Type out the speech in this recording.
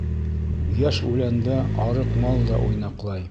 Йәш үләндә арыҡ мал да уйнаҡлай.